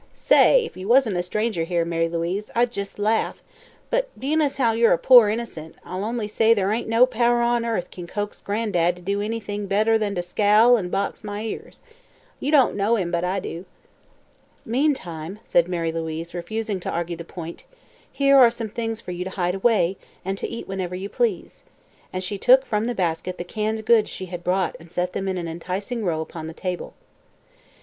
_ Say, if ye wasn't a stranger here, Mary Louise, I'd jes' laugh; but bein' as how yer a poor innercent, I'll only say ther' ain't no power on earth kin coax Gran'dad to do anything better than to scowl an' box my ears. You don't know him, but I do." "Meantime," said Mary Louise, refusing to argue the point, "here are some little things for you to hide away, and to eat whenever you please," and she took from the basket the canned goods she had bought and set them in an enticing row upon the table.